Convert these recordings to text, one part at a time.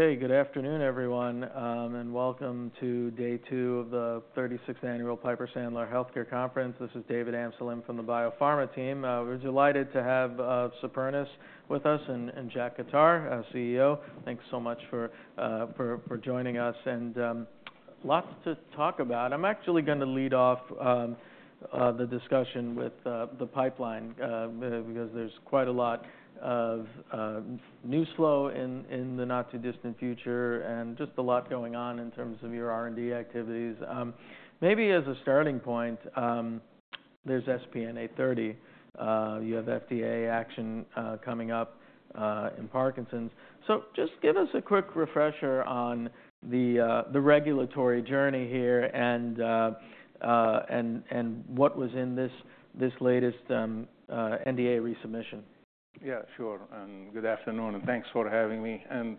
Okay, good afternoon, everyone, and welcome to day two of the 36th Annual Piper Sandler Healthcare Conference. This is David Amsellem from the Biopharma team. We're delighted to have Supernus with us and Jack Khattar, CEO. Thanks so much for joining us and lots to talk about. I'm actually going to lead off the discussion with the pipeline because there's quite a lot of news flow in the not too distant future and just a lot going on in terms of your R&D activities. Maybe as a starting point, there's SPN-830. You have FDA action coming up in Parkinson's. So just give us a quick refresher on the regulatory journey here and what was in this latest NDA resubmission. Yeah, sure. Good afternoon and thanks for having me, and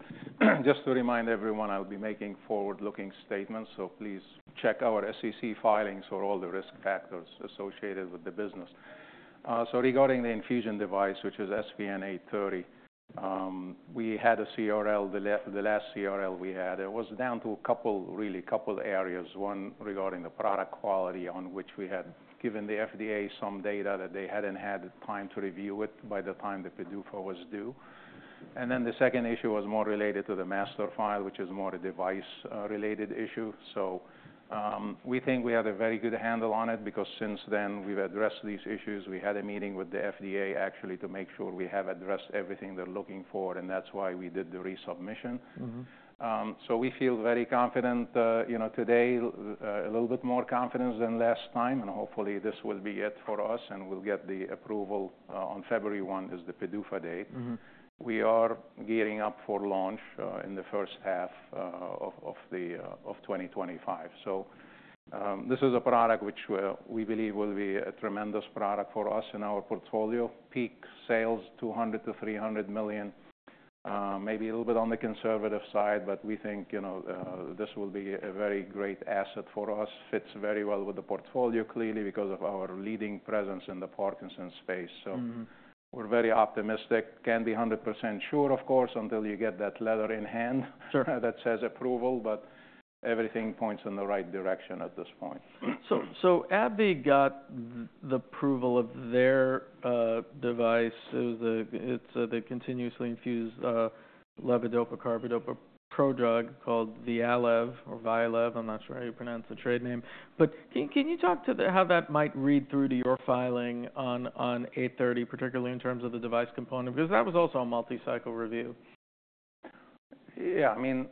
just to remind everyone, I'll be making forward-looking statements, so please check our SEC filings for all the risk factors associated with the business, so regarding the infusion device, which is SPN-830, we had a CRL, the last CRL we had. It was down to a couple, really a couple of areas. One regarding the product quality on which we had given the FDA some data that they hadn't had time to review it by the time the PDUFA was due. And then the second issue was more related to the Master File, which is more a device-related issue, so we think we have a very good handle on it because since then we've addressed these issues. We had a meeting with the FDA actually to make sure we have addressed everything they're looking for, and that's why we did the resubmission. So we feel very confident today, a little bit more confidence than last time, and hopefully this will be it for us and we'll get the approval on February 1, is the PDUFA date. We are gearing up for launch in the first half of 2025. So this is a product which we believe will be a tremendous product for us in our portfolio. Peak sales $200 million-$300 million, maybe a little bit on the conservative side, but we think this will be a very great asset for us. Fits very well with the portfolio clearly because of our leading presence in the Parkinson's space. So we're very optimistic. Can't be 100% sure, of course, until you get that letter in hand that says approval, but everything points in the right direction at this point. So AbbVie got the approval of their device. It's the continuously infused levodopa-carbidopa prodrug called Vyalev. I'm not sure how you pronounce the trade name. But can you talk to how that might read through to your filing on 830, particularly in terms of the device component? Because that was also a multi-cycle review. Yeah, I mean,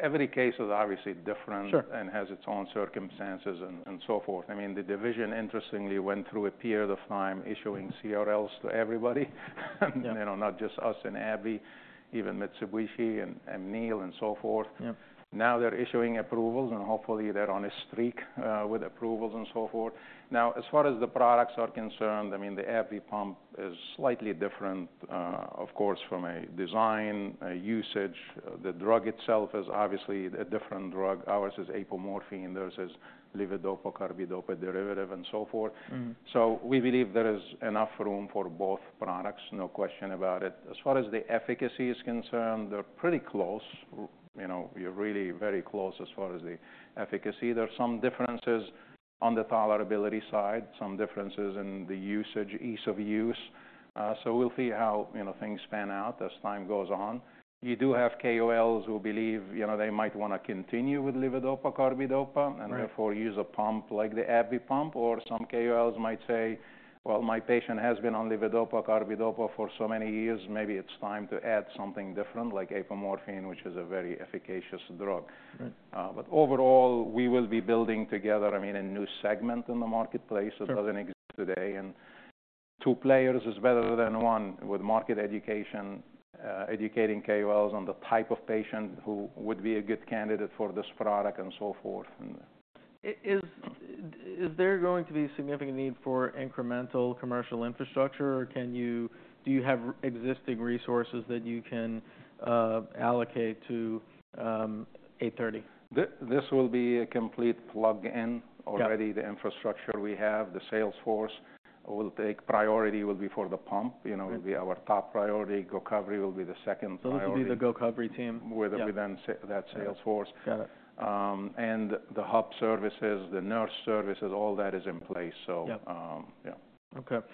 every case is obviously different and has its own circumstances and so forth. I mean, the division interestingly went through a period of time issuing CRLs to everybody, not just us and AbbVie, even Mitsubishi and Amneal and so forth. Now they're issuing approvals and hopefully they're on a streak with approvals and so forth. Now, as far as the products are concerned, I mean, the AbbVie pump is slightly different, of course, from a design usage. The drug itself is obviously a different drug. Ours is apomorphine, theirs is levodopa-carbidopa derivative and so forth. So we believe there is enough room for both products, no question about it. As far as the efficacy is concerned, they're pretty close. You're really very close as far as the efficacy. There are some differences on the tolerability side, some differences in the usage, ease of use. So we'll see how things pan out as time goes on. You do have KOLs who believe they might want to continue with levodopa carbidopa and therefore use a pump like the AbbVie pump, or some KOLs might say, "Well, my patient has been on levodopa carbidopa for so many years, maybe it's time to add something different like apomorphine, which is a very efficacious drug." But overall, we will be building together, I mean, a new segment in the marketplace that doesn't exist today. And two players is better than one with market education, educating KOLs on the type of patient who would be a good candidate for this product and so forth. Is there going to be significant need for incremental commercial infrastructure or do you have existing resources that you can allocate to 830? This will be a complete plug-in. Already, the infrastructure we have, the sales force will take priority. It will be for the pump. It will be our top priority. Gocovri will be the second priority. Those will be the Gocovri team. With that sales force. And the hub services, the nurse services, all that is in place. So yeah. Okay.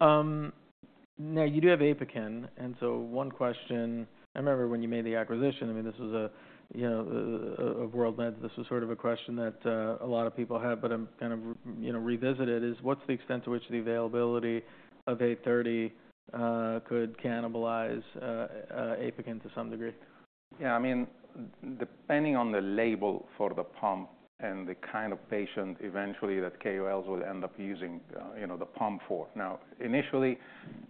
Now you do have Apokyn, and so one question, I remember when you made the acquisition, I mean, this was a WorldMeds, this was sort of a question that a lot of people had, but I'm kind of revisit it, is what's the extent to which the availability of SPN-830 could cannibalize Apokyn to some degree? Yeah, I mean, depending on the label for the pump and the kind of patient eventually that KOLs will end up using the pump for. Now, initially,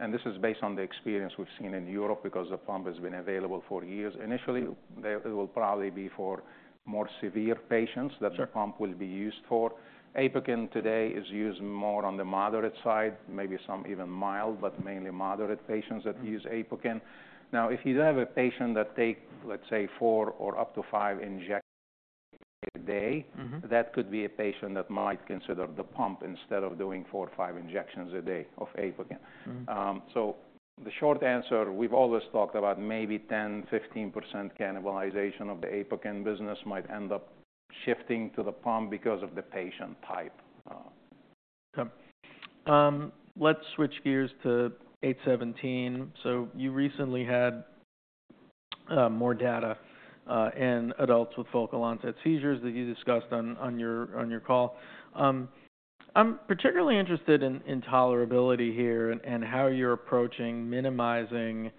and this is based on the experience we've seen in Europe because the pump has been available for years, initially it will probably be for more severe patients that the pump will be used for. Apokyn today is used more on the moderate side, maybe some even mild, but mainly moderate patients that use Apokyn. Now, if you have a patient that takes, let's say, four or up to five injections a day, that could be a patient that might consider the pump instead of doing four or five injections a day of Apokyn. So the short answer, we've always talked about maybe 10%-15% cannibalization of the Apokyn business might end up shifting to the pump because of the patient type. Okay. Let's switch gears to 817 so you recently had more data in adults with focal onset seizures that you discussed on your call. I'm particularly interested in tolerability here and how you're approaching minimizing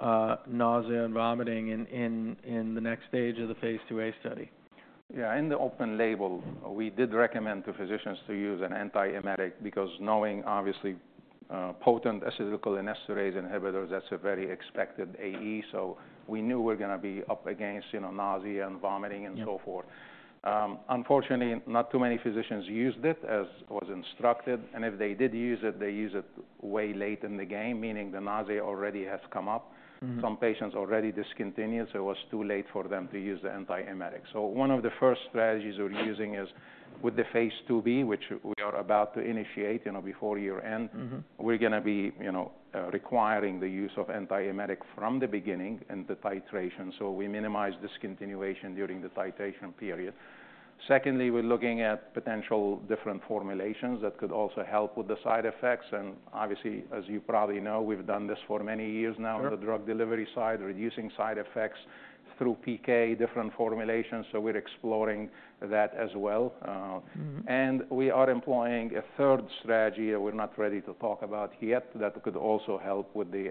nausea and vomiting in the next stage of the phase IIa study. Yeah, in the open label, we did recommend to physicians to use an antiemetic because, knowing obviously potent acetylcholinesterase inhibitors, that's a very expected AE. So we knew we're going to be up against nausea and vomiting and so forth. Unfortunately, not too many physicians used it as was instructed, and if they did use it, they use it way late in the game, meaning the nausea already has come up. Some patients already discontinued, so it was too late for them to use the antiemetic. So one of the first strategies we're using is with the phase IIb, which we are about to initiate before year end, we're going to be requiring the use of antiemetic from the beginning and the titration. So we minimize discontinuation during the titration period. Secondly, we're looking at potential different formulations that could also help with the side effects. Obviously, as you probably know, we've done this for many years now on the drug delivery side, reducing side effects through PK, different formulations. So we're exploring that as well. And we are employing a third strategy that we're not ready to talk about yet that could also help with the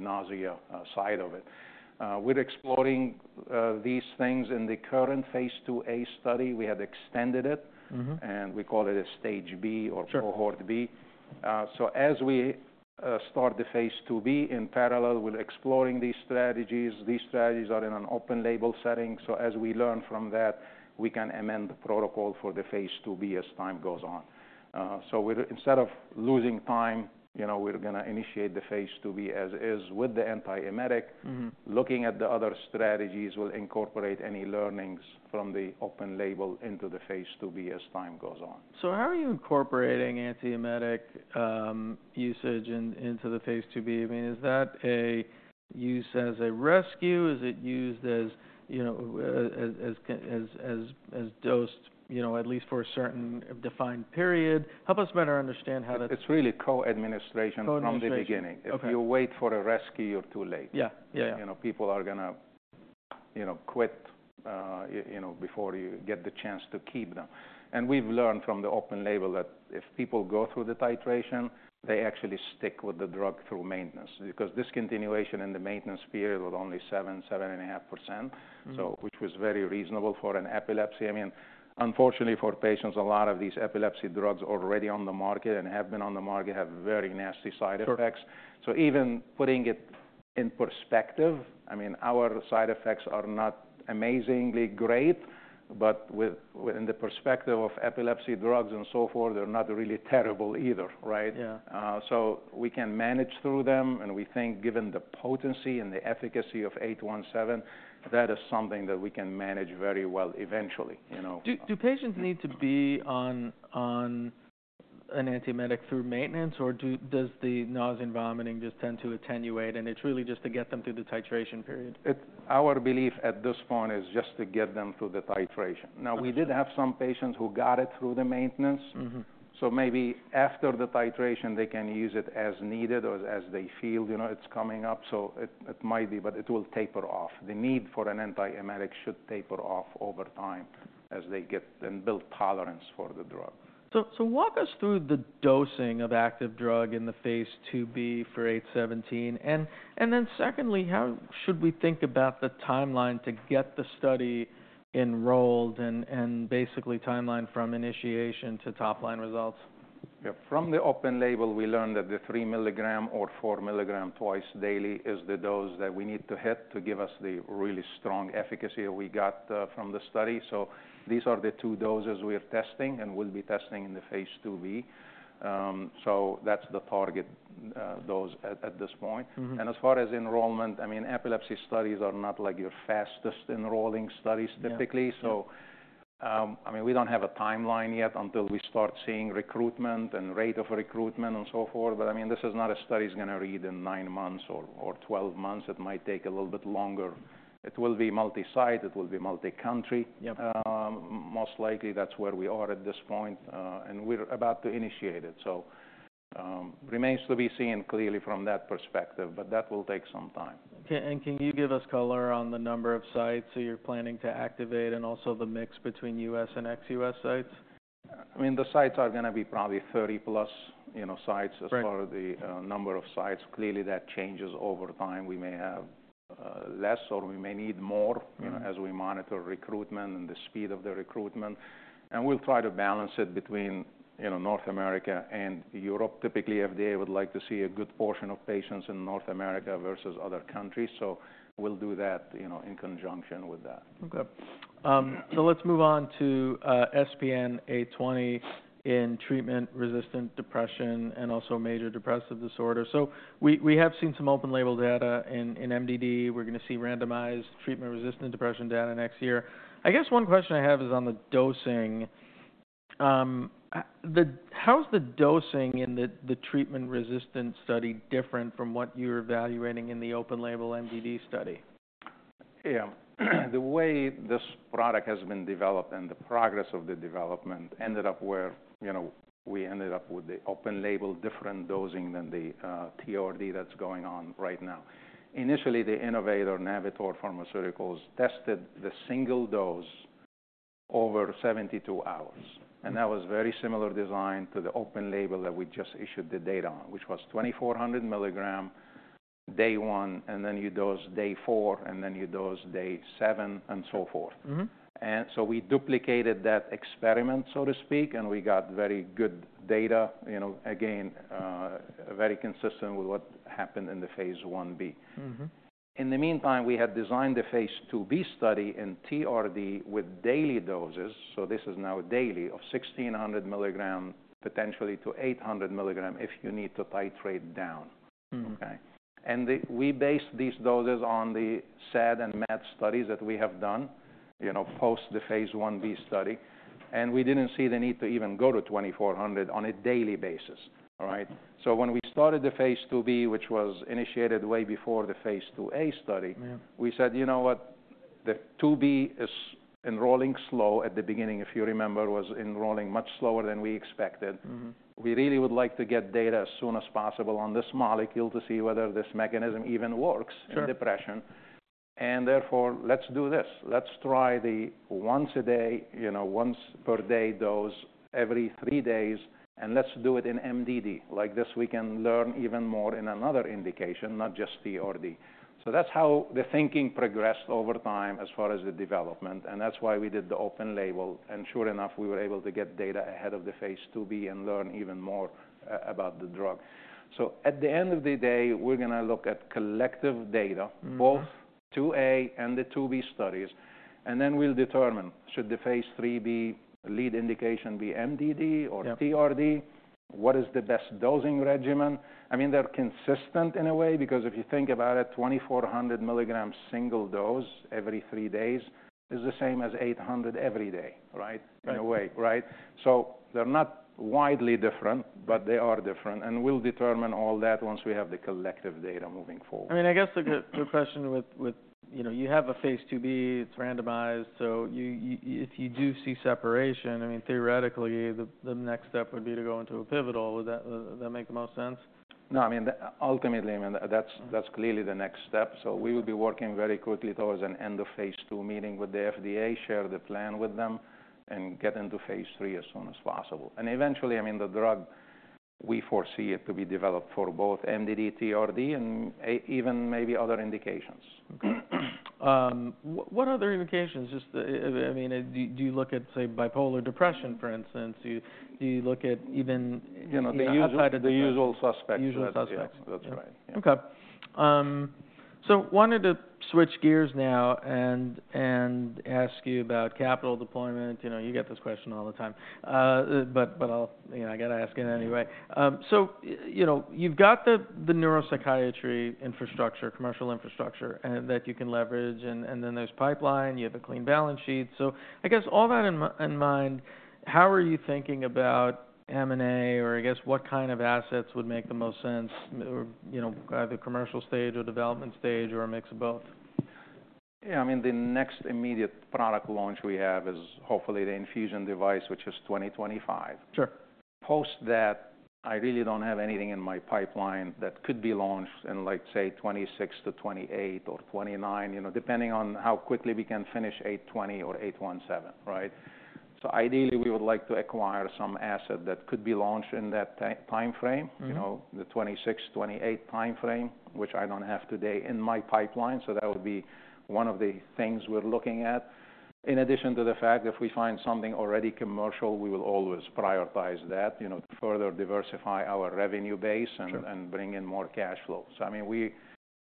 nausea side of it. We're exploring these things in the current phase IIa study. We have extended it, and we call it a Stage B or Cohort B. So as we start the phase IIb in parallel, we're exploring these strategies. These strategies are in an open label setting. So as we learn from that, we can amend the protocol for the phase IIb as time goes on. So instead of losing time, we're going to initiate the phase IIb as is with the antiemetic. Looking at the other strategies, we'll incorporate any learnings from the open-label into the phase IIb as time goes on. How are you incorporating antiemetic usage into the phase IIb? I mean, is that a use as a rescue? Is it used as dosed at least for a certain defined period? Help us better understand how that's? It's really co-administration from the beginning. If you wait for a rescue, you're too late. Yeah, yeah, yeah. People are going to quit before you get the chance to keep them. And we've learned from the open label that if people go through the titration, they actually stick with the drug through maintenance because discontinuation in the maintenance period was only 7%-7.5%, which was very reasonable for an epilepsy. I mean, unfortunately for patients, a lot of these epilepsy drugs already on the market and have been on the market have very nasty side effects. So even putting it in perspective, I mean, our side effects are not amazingly great, but in the perspective of epilepsy drugs and so forth, they're not really terrible either, right? So we can manage through them, and we think given the potency and the efficacy of 817, that is something that we can manage very well eventually. Do patients need to be on an antiemetic through maintenance, or does the nausea and vomiting just tend to attenuate and it's really just to get them through the titration period? Our belief at this point is just to get them through the titration. Now, we did have some patients who got it through the maintenance. So maybe after the titration, they can use it as needed or as they feel it's coming up. So it might be, but it will taper off. The need for an antiemetic should taper off over time as they get and build tolerance for the drug. So walk us through the dosing of active drug in the phase IIb for 817. And then secondly, how should we think about the timeline to get the study enrolled and basically timeline from initiation to top line results? Yeah, from the open label, we learned that the three milligram or four milligram twice daily is the dose that we need to hit to give us the really strong efficacy we got from the study. So these are the two doses we're testing and we'll be testing in the phase IIb. So that's the target dose at this point. And as far as enrollment, I mean, epilepsy studies are not like your fastest enrolling studies typically. So I mean, we don't have a timeline yet until we start seeing recruitment and rate of recruitment and so forth. But I mean, this is not a study that's going to read in nine months or 12 months. It might take a little bit longer. It will be multi-site. It will be multi-country. Most likely that's where we are at this point, and we're about to initiate it. So remains to be seen clearly from that perspective, but that will take some time. Okay. And can you give us color on the number of sites that you're planning to activate and also the mix between U.S. and ex-U.S. sites? I mean, the sites are going to be probably 30 plus sites as far as the number of sites. Clearly, that changes over time. We may have less or we may need more as we monitor recruitment and the speed of the recruitment, and we'll try to balance it between North America and Europe. Typically, FDA would like to see a good portion of patients in North America versus other countries, so we'll do that in conjunction with that. Okay. So let's move on to SPN-820 in treatment-resistant depression and also major depressive disorder. So we have seen some open label data in MDD. We're going to see randomized treatment-resistant depression data next year. I guess one question I have is on the dosing. How is the dosing in the treatment-resistant study different from what you're evaluating in the open label MDD study? Yeah. The way this product has been developed and the progress of the development ended up where we ended up with the open label different dosing than the TRD that's going on right now. Initially, the innovator, Navitor Pharmaceuticals, tested the single dose over 72 hours. And that was very similar design to the open label that we just issued the data on, which was 2400 milligram day one, and then you dose day four, and then you dose day seven, and so forth. And so we duplicated that experiment, so to speak, and we got very good data, again, very consistent with what happened in the phase Ib. In the meantime, we had designed the phase IIb study in TRD with daily doses. So this is now daily of 1600 milligram, potentially to 800 milligram if you need to titrate down. Okay. We based these doses on the SAD and MAD studies that we have done post the phase Ib study. We didn't see the need to even go to 2400 on a daily basis, right? When we started the phase IIb, which was initiated way before the phase IIa study, we said, "You know what? The IIb is enrolling slow at the beginning, if you remember, was enrolling much slower than we expected. We really would like to get data as soon as possible on this molecule to see whether this mechanism even works in depression. Therefore, let's do this. Let's try the once a day, once per day dose every three days, and let's do it in MDD. Like this, we can learn even more in another indication, not just TRD. So that's how the thinking progressed over time as far as the development. That's why we did the open label. Sure enough, we were able to get data ahead of the phase IIb and learn even more about the drug. At the end of the day, we're going to look at collective data, both IIa and the IIb studies, and then we'll determine should the phase IIIb lead indication be MDD or TRD? What is the best dosing regimen? I mean, they're consistent in a way because if you think about it, 2,400 milligram single dose every three days is the same as 800 every day, right? In a way, right? So they're not widely different, but they are different. We'll determine all that once we have the collective data moving forward. I mean, I guess the question with you have a phase IIb, it's randomized. So if you do see separation, I mean, theoretically, the next step would be to go into a pivotal. Would that make the most sense? No, I mean, ultimately, I mean, that's clearly the next step. So we will be working very quickly towards an end of phase II meeting with the FDA, share the plan with them, and get into phase III as soon as possible. And eventually, I mean, the drug, we foresee it to be developed for both MDD, TRD, and even maybe other indications. Okay. What other indications? I mean, do you look at, say, bipolar depression, for instance? Do you look at even outside of the. The usual suspects. Usual suspects. That's right. Okay. So wanted to switch gears now and ask you about capital deployment. You get this question all the time, but I got to ask it anyway. So you've got the neuropsychiatry infrastructure, commercial infrastructure that you can leverage, and then there's pipeline. You have a clean balance sheet. So I guess all that in mind, how are you thinking about M&A or I guess what kind of assets would make the most sense? Either commercial stage or development stage or a mix of both? Yeah, I mean, the next immediate product launch we have is hopefully the infusion device, which is 2025. Sure. After that, I really don't have anything in my pipeline that could be launched in like, say, 2026 to 2028 or 2029, depending on how quickly we can finish 820 or 817, right? So ideally, we would like to acquire some asset that could be launched in that timeframe, the 2026, 2028 timeframe, which I don't have today in my pipeline. So that would be one of the things we're looking at. In addition to the fact that if we find something already commercial, we will always prioritize that to further diversify our revenue base and bring in more cash flow. So I mean,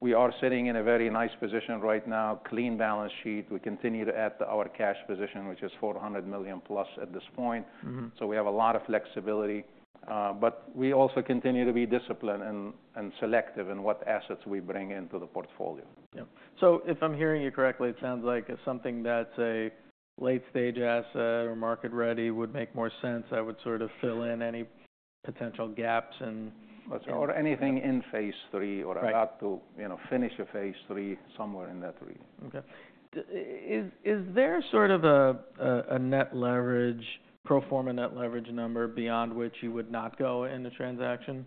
we are sitting in a very nice position right now, clean balance sheet. We continue to add to our cash position, which is $400 million plus at this point. So we have a lot of flexibility. But we also continue to be disciplined and selective in what assets we bring into the portfolio. Yeah. So if I'm hearing you correctly, it sounds like something that's a late-stage asset or market-ready would make more sense. That would sort of fill in any potential gaps in. Or anything in phase III or about to finish a phase III somewhere in that range. Okay. Is there sort of a net leverage, pro forma net leverage number beyond which you would not go in the transaction?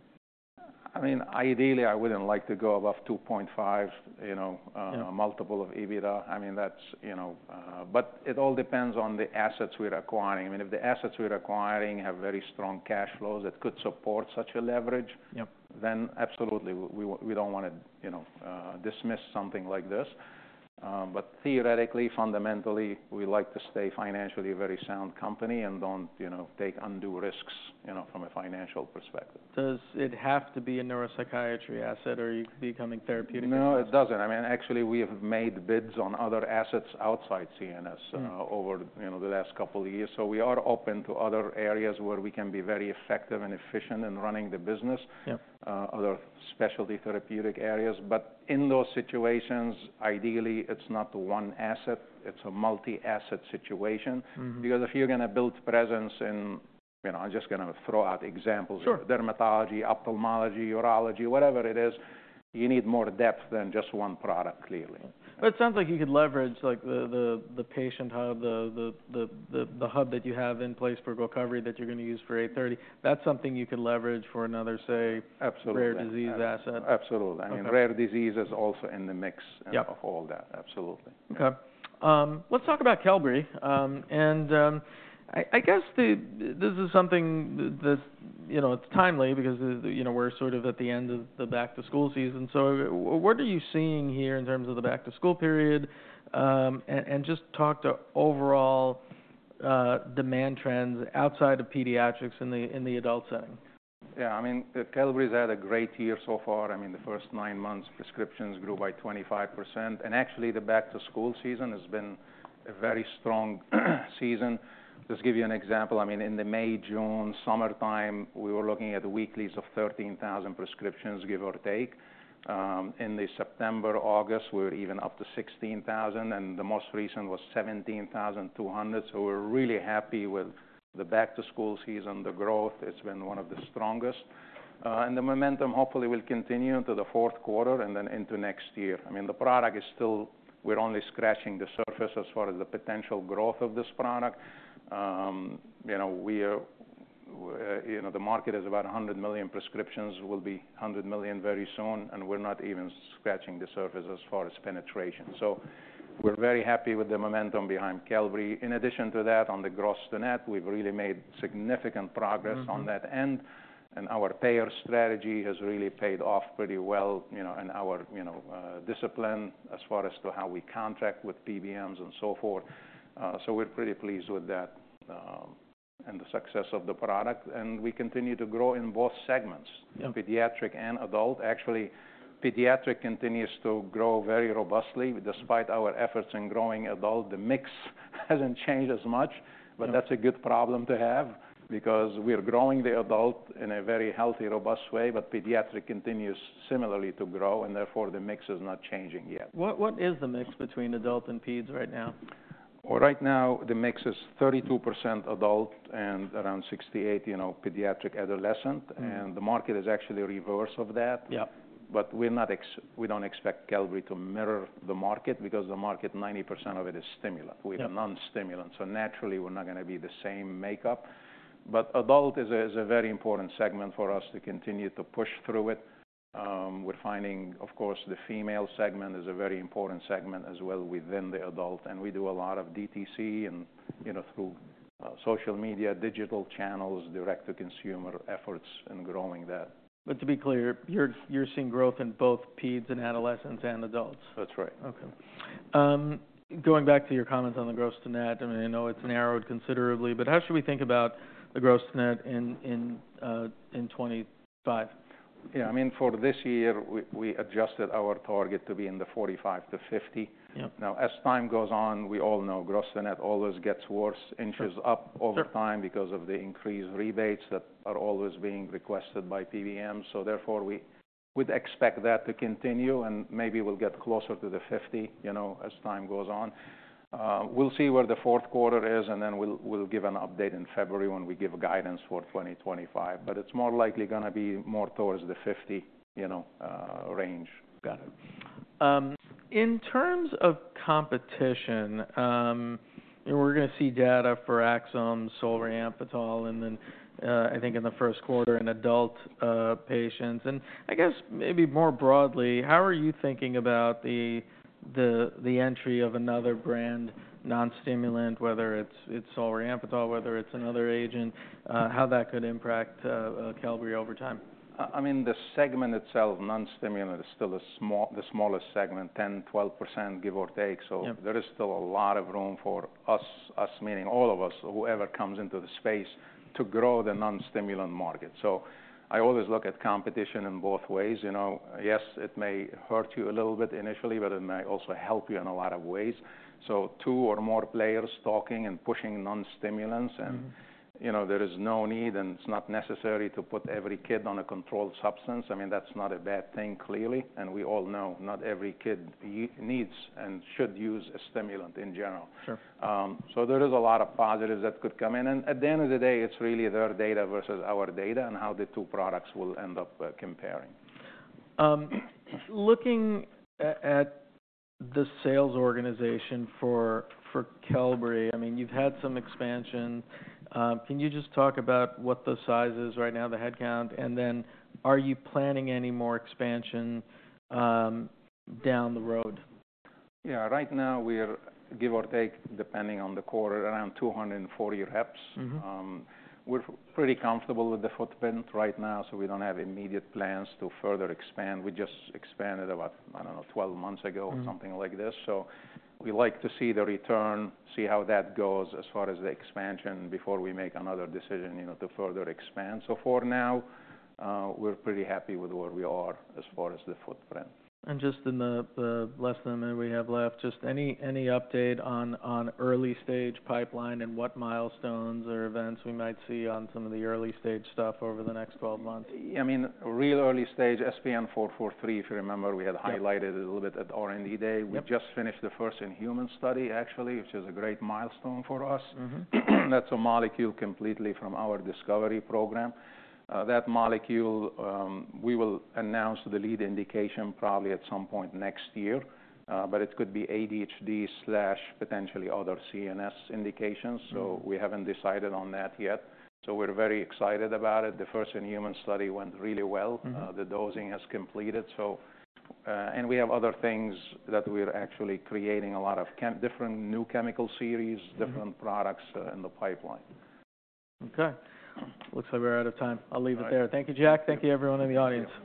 I mean, ideally, I wouldn't like to go above 2.5, a multiple of EBITDA. I mean, that's, but it all depends on the assets we're acquiring. I mean, if the assets we're acquiring have very strong cash flows that could support such a leverage, then absolutely, we don't want to dismiss something like this. But theoretically, fundamentally, we like to stay financially a very sound company and don't take undue risks from a financial perspective. Does it have to be a neuropsychiatry asset or becoming therapeutic? No, it doesn't. I mean, actually, we have made bids on other assets outside CNS over the last couple of years. So we are open to other areas where we can be very effective and efficient in running the business, other specialty therapeutic areas. But in those situations, ideally, it's not one asset. It's a multi-asset situation because if you're going to build presence in, I'm just going to throw out examples, dermatology, ophthalmology, urology, whatever it is, you need more depth than just one product, clearly. But it sounds like you could leverage the patient hub, the hub that you have in place for Gocovri that you're going to use for 830. That's something you could leverage for another, say, rare disease asset. Absolutely. I mean, rare disease is also in the mix of all that. Absolutely. Okay. Let's talk about Qelbree. And I guess this is something that's timely because we're sort of at the end of the back-to-school season. So what are you seeing here in terms of the back-to-school period? And just talk to overall demand trends outside of pediatrics in the adult setting. Yeah. I mean, Qelbree's had a great year so far. I mean, the first nine months, prescriptions grew by 25%. And actually, the back-to-school season has been a very strong season. Just give you an example. I mean, in the May, June, summertime, we were looking at weeklies of 13,000 prescriptions, give or take. In the September, August, we were even up to 16,000, and the most recent was 17,200. So we're really happy with the back-to-school season, the growth. It's been one of the strongest. And the momentum hopefully will continue into the fourth quarter and then into next year. I mean, the product is still, we're only scratching the surface as far as the potential growth of this product. The market is about 100 million prescriptions, will be 100 million very soon, and we're not even scratching the surface as far as penetration. We're very happy with the momentum behind Qelbree. In addition to that, on the gross-to-net, we've really made significant progress on that end. And our payer strategy has really paid off pretty well in our discipline as far as to how we contract with PBMs and so forth. So we're pretty pleased with that and the success of the product. And we continue to grow in both segments, pediatric and adult. Actually, pediatric continues to grow very robustly. Despite our efforts in growing adult, the mix hasn't changed as much. But that's a good problem to have because we're growing the adult in a very healthy, robust way, but pediatric continues similarly to grow, and therefore the mix is not changing yet. What is the mix between adult and peds right now? Well, right now, the mix is 32% adult and around 68% pediatric adolescent. And the market is actually reverse of that. But we don't expect Qelbree to mirror the market because the market, 90% of it is stimulant. We have non-stimulants. So naturally, we're not going to be the same makeup. But adult is a very important segment for us to continue to push through it. We're finding, of course, the female segment is a very important segment as well within the adult. And we do a lot of DTC and through social media, digital channels, direct-to-consumer efforts in growing that. To be clear, you're seeing growth in both peds and adolescents and adults. That's right. Okay. Going back to your comments on the gross-to-net, I mean, I know it's narrowed considerably, but how should we think about the gross-to-net in 2025? Yeah. I mean, for this year, we adjusted our target to be in the 45%-50%. Now, as time goes on, we all know gross-to-net always gets worse, inches up over time because of the increased rebates that are always being requested by PBMs. So therefore, we would expect that to continue, and maybe we'll get closer to the 50% as time goes on. We'll see where the fourth quarter is, and then we'll give an update in February when we give guidance for 2025. But it's more likely going to be more towards the 50% range. Got it. In terms of competition, we're going to see data for Axsome, Solriamfetol, and then I think in the first quarter in adult patients, and I guess maybe more broadly, how are you thinking about the entry of another brand, non-stimulant, whether it's Solriamfetol, whether it's another agent, how that could impact Qelbree over time? I mean, the segment itself, non-stimulant, is still the smallest segment, 10%-12%, give or take. So there is still a lot of room for us, meaning all of us, whoever comes into the space, to grow the non-stimulant market. So I always look at competition in both ways. Yes, it may hurt you a little bit initially, but it may also help you in a lot of ways. So two or more players talking and pushing non-stimulants, and there is no need, and it's not necessary to put every kid on a controlled substance. I mean, that's not a bad thing, clearly, and we all know not every kid needs and should use a stimulant in general. So there is a lot of positives that could come in. At the end of the day, it's really their data versus our data and how the two products will end up comparing. Looking at the sales organization for Qelbree, I mean, you've had some expansion. Can you just talk about what the size is right now, the headcount? And then are you planning any more expansion down the road? Yeah. Right now, we're, give or take, depending on the quarter, around 240 reps. We're pretty comfortable with the footprint right now, so we don't have immediate plans to further expand. We just expanded about, I don't know, 12 months ago or something like this. So we like to see the return, see how that goes as far as the expansion before we make another decision to further expand. So for now, we're pretty happy with where we are as far as the footprint. And just in less than a minute we have left, just any update on early stage pipeline and what milestones or events we might see on some of the early stage stuff over the next 12 months? Yeah. I mean, real early stage, SPN-443, if you remember, we had highlighted it a little bit at R&D day. We just finished the first-in-human study, actually, which is a great milestone for us. That's a molecule completely from our discovery program. That molecule, we will announce the lead indication probably at some point next year, but it could be ADHD, potentially other CNS indications. So we haven't decided on that yet. So we're very excited about it. The first-in-human study went really well. The dosing has completed. And we have other things that we're actually creating a lot of different new chemical series, different products in the pipeline. Okay. Looks like we're out of time. I'll leave it there. Thank you, Jack. Thank you, everyone in the audience.